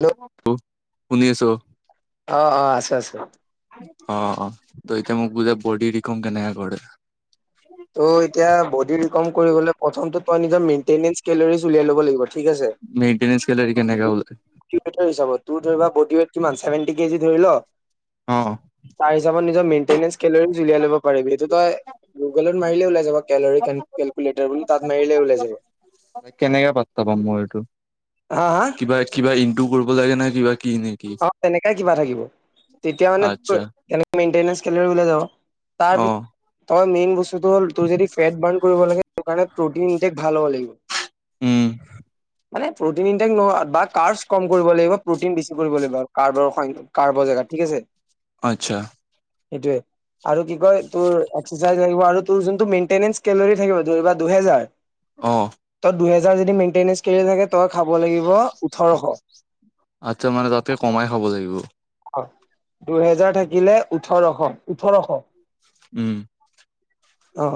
Hello শুনি আছো। অ অ আছো আছো অ' অ'। তই এতিয়া মোক বুজাবি বডি ডিকম কেনেকে কৰে? অ' এতিয়া বডিৰ ডিকম কৰিবলৈ, প্ৰথমতে তই নিজৰ মেইনটেনেঞ্চ কেলৰি উলিয়াই ল'ব লাগিব ঠিক আছে মেইনটেনেন্ঞ্চ কেলৰি কেনেকা ওলায়? হিচাপত তোৰ ধৰি [unintelligible] বডি ৱেইট কিমান? চেভেনটি কেজি ধৰি ল। অ তাৰ হিচাপত নিজৰ মেইনটেনেঞ্চ কেলৰি উলিয়াই ল'ব পাৰিবি। সেইটো তই গুগলত মাৰিলে ওলাই যাব, কেলৰি কেলকুলেটাৰ বুলি তাত মাৰিলে ওলাই যাব। কেনেকে পাত্তা পাম মই এইটো? হা হা কিবা - কিবা ইনটু কৰিব লাগে নাই কিবা কি নেকি অ' তেনেকাই কিবা থাকিব। তেতিয়া মানে তোৰ আচ্ছা [unintelligible] মেইনটেনেঞ্চ কেল'ৰি ওলাই অ যাব অ মেইন বস্তু টো হ'ল তোৰ যদি ফেট বাৰ্ণ কৰিব লাগে তো কাৰণে প্ৰ'টিন ইনটেক ভাল হ'ব লাগিব। উম। মানে প্ৰ'টিন ইনটেক নহয়, বা কাৰ্বচ কম কৰিব লাগিব প্ৰটিন বেছি কৰিব লাগিব কাৰ্বৰ সং, কাৰ্বৰ জেগাত। ঠিক আছে? আচ্ছা সেইটোৱে। আৰু কি কয় তোৰ এক্সাৰচাইজ লাগিব আৰু তোৰ যোনটো মেইনটেনেঞ্চ কেলৰি থাকিব, দুহেজাৰ অ' তই দুহেজাৰ যদি মেইনটেনেঞ্চ কেল'ৰি থাকে, তই খাব লাগিব ওঠৰশ আচ্ছা মানে তাতকে কমাই খাব লাগিব? দুহেজাৰ থাকিলে ওঠৰশ, ওঠৰশ। উম অ'।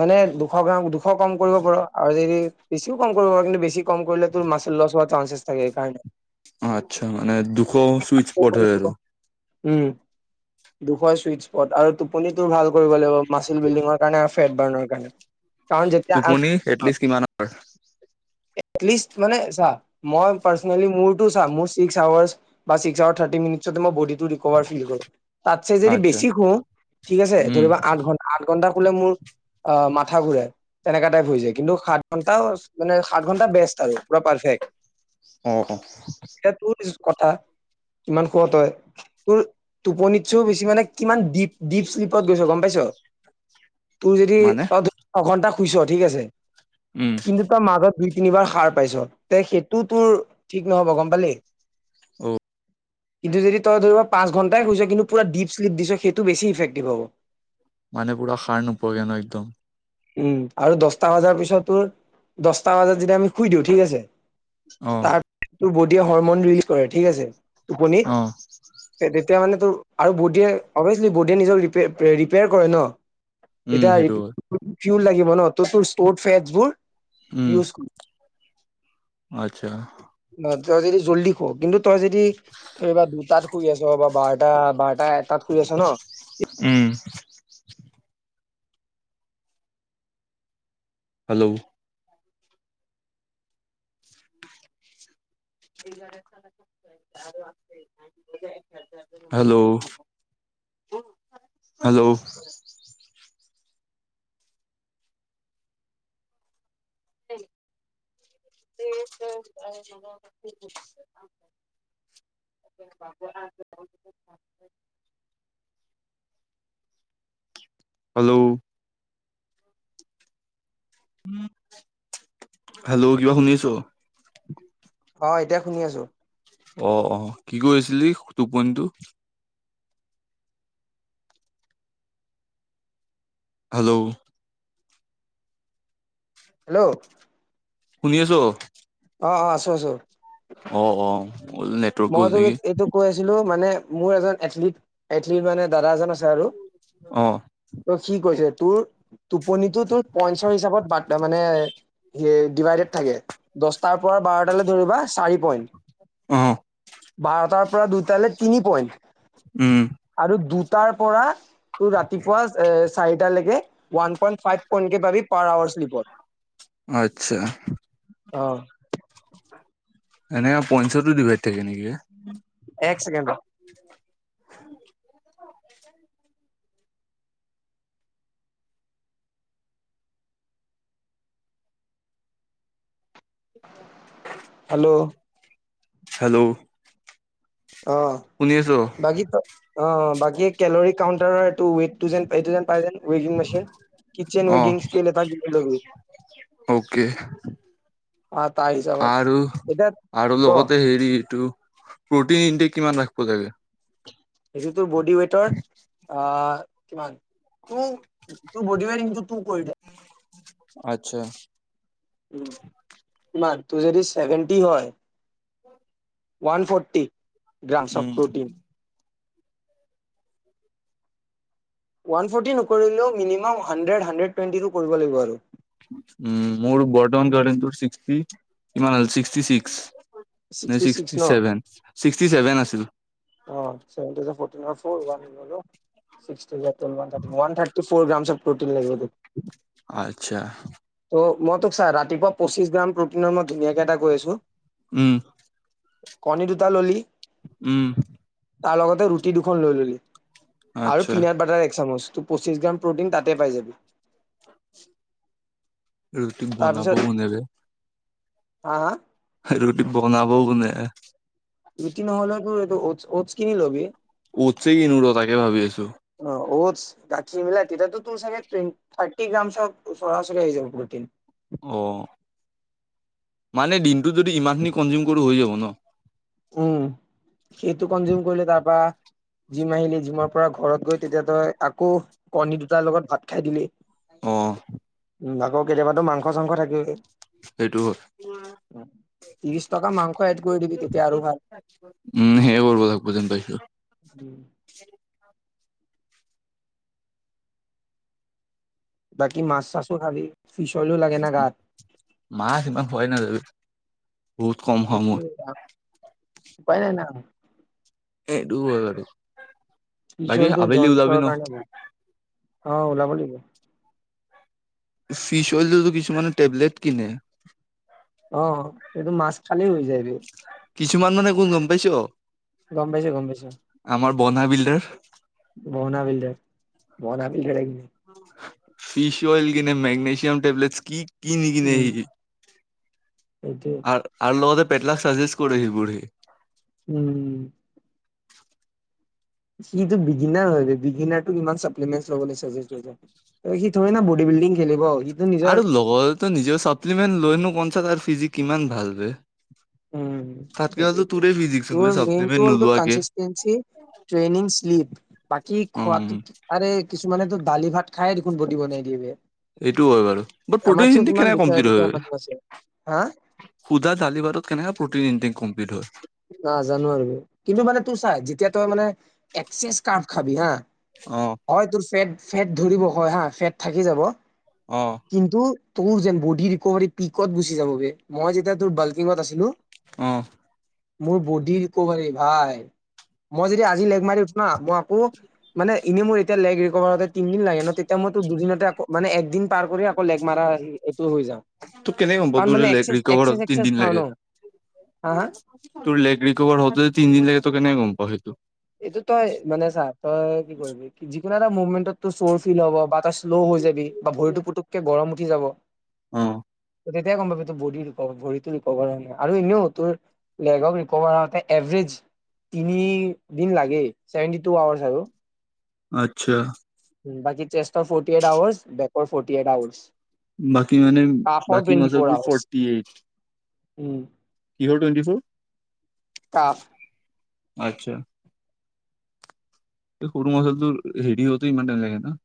মানে দুশ গ্ৰাম- দুশ কম কৰিব পাৰ'। আৰু যদি বেছিও কম কৰিব পাৰ'। কিন্তু বেছি কম কৰিলে তোৰ মাছল লছ হোৱাৰ চাঞ্চ আছ চাগে এই কাৰণে আচ্ছা, মানে দুশ ছুইট স্প'ট হয় আৰু। উম, দুশএ ছুইট স্প'ট। আৰু টোপনিতো ভাল কৰিব লাগিব, মাছল বিল্ডিঙৰ কাৰণে ফেট বাৰ্ণৰ কাৰণে। কাৰণ যেতিয়া টোপনি এটলিষ্ট কিমান আৱাৰ? এটলিষ্ট মানে, চা, মই পাৰ্ছনেলি, মোৰতো‌ চা। মোৰ ছিক্স‌ আৱাৰছ বা ছিক্স আৱাৰ থাৰতি মিনিটছতে ম‌ই ব'ডিটো ৰিক'ভাৰ ফিল কৰোঁ। তাতছে যদি আচ্ছা বেছি শুও, ঠিক আছে, উম। ধৰিবা আঠ ঘণ্টা ঘন্টা শুলে মোৰ অ' মাথা ঘুৰাই, তেনেকা টাইপ হৈ যায়। কিন্তু সাত ঘন্টা মানে সাত ঘন্টা বেষ্ট আৰু পুৰা পাৰফেক্ট। অ অ এতিয়া তোৰ কথা। কিমান শুৱ' তই? তোৰ টোপনতছেও বেছি মানে কিমান দিপ- দিপশ্লিপত গৈছ গম পাইছ? তোৰ যদি মানে [unintelligible] এঘন্টা শুইছ, ঠিক আছে। উম কিন্ত তই‌ মাজত দুই-তিনিবাৰ সাৰ পাইছ। তে সেইটো তোৰ ঠিক নহ'ব, গম পালি? অ কিন্তু যদি তই ধৰি‌ ল', পাঁচ ঘন্টায়ে শুইছ, কিন্তু পুৰা দিপশ্লিপ দিছ, সেইটো বেছি‌ ইফেক্টিভ হ'ব। মানে পুৰা সাৰ নোপোৱাকে ন', একদম? উম, আৰু দশটা বজাৰ পিছত তোৰ, দশটা বজাত যেতিয়া আমি শুই দিওঁ ঠিক আছে, অ'। তাৰ তোৰ বোডিয়ে হৰমন ৰিলিজ কৰে ঠিক আছে। টোপনিত, অ সেই তেতিয়া মানে তোৰ আৰু বোডিয়ে- অভিয়াছলি বোডিয়ে নিজকে ৰিপে- পে- ৰিপেয়াৰ কৰে ন'? উম, এতিয়া সেইটো হয়। ফিউল লাগিব ন', তোৰ তো ষ্ট'ৰড ফেটছবোৰ উম ইউজ কৰ আচ্ছা। অ', তই যদি জল্দি শুৱ, কিন্তু তই যদি ধৰিবা, দুটাত শুই আছ' বা বাৰটা- বাৰটা এটাত শুই আছ ন উম। [inaudible] Hello? [inaudible] Hello? Hello? [inaudible] Hello? [unintelligible] Hello কিবা শুনিছোঁ। অ' এতিয়া শুনি আছোঁ। অ, অ, কি কৈ আছিলি টোপনিটো? হেল্ল'? হেল্ল'! শুনি আছো অ অ আছো আছো অ অ নেটৱৰ্ক গ'ল মইতো নেকি এইটো কৈ আছিলো মানে মোৰ এজন এথলিট এথলিট মানে দাদা এজন আছে আৰু অ ত সি কৈছে, ত [unintelligible] টোপনিতো তোৰ পইঞ্চৰ হিচাপত বাৰ্তা মানে সেই ডিভাইডেড থাকে, দছটাৰ পৰা বাৰটালৈ ধৰিবা চাৰি পইণ্ট উম বাৰটাৰ পৰা দুটালৈ তিনি পইণ্ট উম তাৰ পৰা তোৰ ৰাতিপুৱা এ চাৰিটা লেকে ওৱান পইন্ট ফাইভ কক পাবি পাৰ আৱাৰচ দিব। আচ্ছা অ এনে পইঞ্চচতো ডিভাইড থাকে নেকি? এক চেকেণ্ড ৰহ উম হেল্ল' হেল্ল' অ শুনি আছ বাকী ত অ বাকী কেলৰি কাউণ্টাৰৰ এইটো ৱেইটটো যেন এইটো যেন পায় যেন। বেগিং মছিন কিচন অ বেগিংষ্কেল এটা লয় লবি অকে আতা হিচাপত আৰু আৰু লগতে হেৰি এইটো প্ৰটিন ইনটেক কিমান ৰাখিব লাগে এইটো তোৰ বডি ৱেটৰ অঁ কিমান তোৰ তোৰ বডি ৱেইত ইনটো তু কৰি দে আত্ছা নাই তোৰ যদি ছেভেন্টি হয় one forty grams of um. Protein one forty নকৰিলেও মিনিমাম হাণ্ড্ৰেড হাণ্ড্ৰেড টুৱেন্টিটো কৰিব লাগিব আৰু। উম মোৰ বৰ্তমান ৱেইততো চিস্কটি কিমান six three six sixty six নিচিক্সটি ন চেছেভেন চিক্সটি চেভেন আছিল। অ চেনটোযে ফৰটিনৰ ফৰ ওৱান নহব চিস্কিটি লেক [unintelligible] ৱান ৰ্থাৰটিনৰ ৱানৰ্থাৰ্ [unintelligible] ফ'ৰ গ্ৰাম চ প্ৰটিন লাগিব। আচ্ছা। ত মই তোক চা, ৰাতিপুৱা পঁচিশ গ্ৰাম প্ৰটিনৰ মই ধুনীয়াকে এটা কৈ আছো। উম। কণী দুটা ললি। উম। তাৰ লগতে ৰুটি দুখন লৈ ললি। আৰু আচ্ছা পিনাট বাটাৰ এক চামুচ। ত পঁচিছ গ্ৰাম প্ৰ'টিন তাতে পাই যাবি। ৰুটি তাৰপিছত বনাবও কেনেকে। হা। ৰুটি বনাবও কোনে। ৰুটি নহলেতো এইটো অটচ কিনি লবি। উছে কিনিব লাগে তাকে ভাবি আছো। অ অ'টছ গাখীৰ মিলা তিতাটো তো তোৰ চাগে থাৰ্টি গ্ৰাম ওচৰা ওচৰি হৈ যাব। অ মানে দিনটো যদি ইমানখিনি কনজিউম কৰো হৈ যাব ন। উম, সেইটো কনজিউম কৰিলে তাৰ পৰা। জিম আহিলি জিমৰ পৰা ঘৰত গৈ তেতিয়া তই আকৌ কণী দুটাৰ লগত ভাত খাই দিলি। আহ। উম আকৌ কেতিয়াবাতো মাংস সাংস থাকেই যে। সেইটো হয়। ত্ৰিশ টকা মাংস। খইট কৰি দিবি দেই। উম সেইবাবে যেন পাই। উম, বাকি মাছ চাছো খালি। সিমান হয় ন [unintelligible] [unintelligible] বহুত কম হোৱা মই। পাই নাই ন [unintelligible] এই দূৰ হয় আৰু। কি চলটো জয়ন্ত কাৰণে [unintelligible] অ ওলাব লাগিব। ফিচ হলেতো কিছুমানে টেবলেট কিনে। অ এইটো মাছ খালেই হৈ যায়। কিছুমান মানে কোন গম পাইছো অ। গম পাইছ গম পাইছ। বনা বিল্ডাৰ বনা বিল্ডাৰ বনা বিল্ডাৰ লাগিব? ফিছ অইল কি নে মেগ্নেশিয়াম টেবলেটছ কি? কি নিকিনে উম, সি? সেইটোৱে আৰ আৰ লগতে? পেটলাক ছাজেষ্ট কৰো সেইবোৰ সি। উম সিটো বেগীনাৰ হয় বে বেগিনাৰটো ইমান ছাপ্লিমেণ্ট লবলে ছাজেষ্ট কৰিছে সিথৰে না বডী বিল্ডিং খেলিব সি আৰু লগতে নিজেও ছাপ্লিমেণ্ট লৈনো কোন চা তাৰ ফিজিক কিমান ভাল বে। উ তাতকে ভালতো সেইট তোৰে ফিজিক চোন বে তোৰ চাপ্লিমেন্ট মেইনটো হল তোৰ নোলোৱাকে কাঞ্চিষ্টেন্সী ট্ৰিনিং শ্লিপ বাকী অ খোৱাটো আৰে কিছু কিমানে তো দালি ভাত খাই দেখোন বডী বনাই দিয়েগে। সেইটোও হয় বাৰু বাট প্ৰটিন ইনটেকটো কেনে দুখীয়া কমপ্লিট হয় দুখীয়া মানুহ আছে হা সুধা দালি ভাতত কেনেকে? প্ৰটিন ইনটেক কম নাজানো আৰু কিন্তু মানে তোৰ চাই যেতিয়া তই মানে এক্সেছ কাৰ্ভ খাবি হা অ হয় তোৰ ফেট ফেট ধৰিব অকল হা ফেট থাকি যাব অ কিন্ত তোৰ যেন বডী ৰিকভাৰী পিকত গুচি যাবগে মই যেতিয়া তোৰ বাল্কিঙত আছিলো? অ মোৰ বড ৰিকভাৰী ভাই মই যেতিয়া আজি লেগ মাৰি উঠো না মই আকৌ মানে এনেই মোৰ এতিয়া লেগ ৰিকভাৰ হওঁতে তিনদিন লাগে ন তেতিয়া মই তোৰ দুদিনতে আকৌ মানে একদি দিন পাৰ কৰি আকৌ লেগ মাৰা এইটো হৈ যাওঁ তোক কেনেকে গম পাৱ কাৰণ তোৰ মানে যে লেগ এক্সেছ ৰিকভাৰত এক্সেছ তিনদিন খাওঁ লাগে ন। হা হা তোৰ লেগ ৰিকভাৰ হত যে তিনি দিন লাগে ত কেনে গম পাওঁ? অ হেতু এইটো তই মানে চা তই কি কৰিবি কি জি, কিবা এটা মুভমেণ্টতো শ্লোৱ ফিল হব বা তই শ্লো হৈ যাবি। বা‌ ভৰিতো পুটোককে গৰম উ সি যাব? অ। তেতিয়া গম পাবি তোৰ বডীটো ৰিকভাৰ ভৰিটো ৰিকভাৰ হোৱা নাই আৰু এনেও তোৰ লেগক ৰিকভাৰ হতে এভৰেজ তিনি দিন লাগে চেভেন্টি টু আৱাৰ আৰু। আচ্ছা। বাকী চেষ্টৰ ফৰ্টি এইট আৱাৰ বেকৰৰ ফৰ্টি এইট আৱাৰ। বাকী মানে বাকী মাচলবোৰ ফৰ্টি এইট। উম। কিহৰ টুৱেণ্টি ফৰ? কাফ আচ্ছা। এই সৰু মাচলটোৰ হেৰি হওতে ইমান টাইম লাগে না?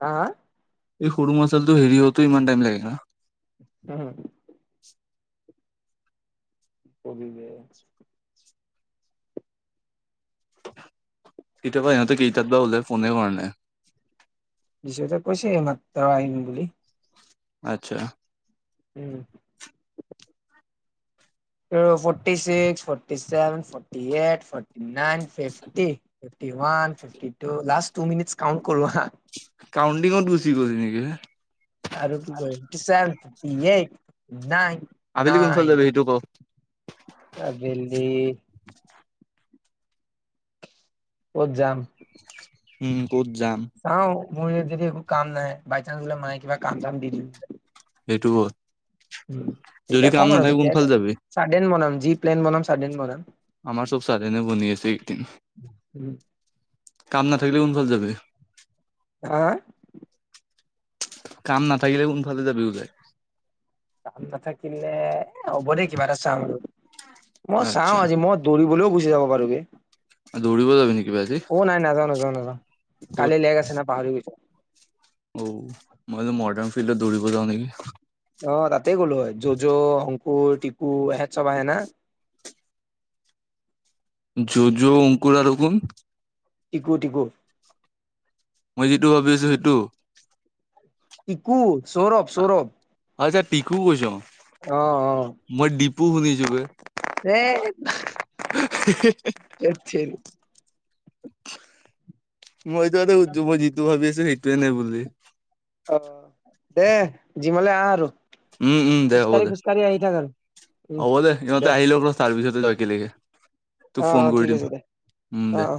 হা হা। এই সৰু মাছলটোৰ হেৰি হওতে ইমান টাইম লাগে না? উম সবি বে [unintelligible] এতিয়াবা সিহঁত কেইটাত বা ওলাই ফোনে কাৰ নাই? নিচদৌ কৈছে এ মাত্ৰ আহিম বুলি। আচ্ছা। উম। ৰ ফৌৰটি চিক্স ফট। Forty seven, forty eight, forty nine, fifty, fifty one, fifty two last two minute count কৰো হা? কাউণ্টিংত গুছি গলি নেকি এ, আৰু কি কয় ফিফটি চেভেন, এইত নাইন, আবেলি কোনফালে নাইন যাবি সেইটো ক? আবেলি, ক'ত যাম? উম। ক'ত যাম, চাও মোৰ ইয়াত যদি একো কাম নাই বাই চানস বোলে মায়ে কিবা কাম চাম দি দিয়ে, সেইটো হয়। তেতিয়া কম আৰু তেতিয়ায়ে কোনফালে কম যাবি? চাডেন বনাম। যি প্লেন বনাম চাডেন বনাম। আমাৰ চব চাডেনে বনি আছে এইদিন। উম কাম নাথাকিলে কত যাবি। হা। কাম নাথাকিলে কোনফালে যাবি ওলাই? কাম নাথাকিলে এ হ'ব দে কিবা এটা চাওঁ আৰু। মই চাও আচ্ছা আজি মই দৌৰিবলৈও গৈ। যি আমক পাৰোগে। দৌৰিব যাবি নে কিবা আজি? নাই নাযাওঁ নাযাওঁ অ। ক'ত কালি লেগ আছে ন পাহৰি গৈছোঁ। অ মই যে মৰ্দান। ফিলদত দৌৰিব যাও নেকি? অ ৰাত। [unintelligible] কুৰ, তিপু ইহঁত চব আহে না? যজু, অংকুৰ আৰু কোন? টিকু, টিকু মই যিটো ভাবি আছো সেইটো। টিকু সৌৰভ-সৌৰভ। আচ্ছা টিকু কৈছ অ' অ'। দীপু শুনিছোঁ বে ধেইত [unintelligible] ধেৎতেৰি। মই [unintelligible] মই যিটো ভাবি আছোঁ। সেইটোয়ে নে বুলি? অ' দে। জিমলৈ আহ আৰু। উম-উম, দে হ'ব খোজকাঢ়ি দে। খোজকাঢ়ি আহি থাক আৰু উম হ'ব দে। ইহঁতে আহি লওক ৰহ তাৰ পিছতে যাও একেলগে। তোক অ অ ফোন কৰি ঠিক দিম, আছে দে উম অ দে। অ